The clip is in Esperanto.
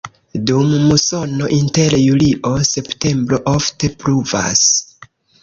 Dum musono inter julio-septembro ofte pluvas.